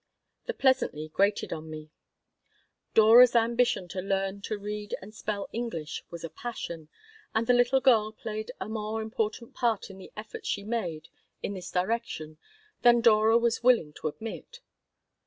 The pleasantry grated on me Dora's ambition to learn to read and spell English was a passion, and the little girl played a more important part in the efforts she made in this direction than Dora was willing to admit.